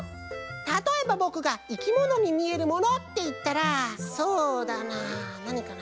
たとえばぼくが「いきものにみえるもの」っていったらそうだななにかな。